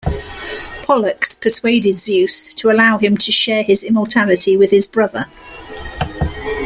Pollux persuaded Zeus to allow him to share his immortality with his brother.